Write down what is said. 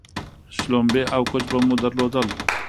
شلومبې او کوچ به مو درلودل